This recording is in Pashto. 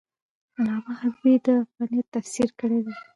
علامه حبیبي د افغانیت تفسیر کړی دی.